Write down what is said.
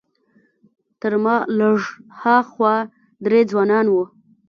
تر ما لږ ها خوا درې ځوانان وو.